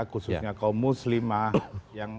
khususnya kaum muslimah